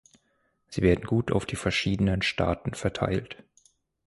Sie werden gut auf die verschiedenen Staaten verteilt.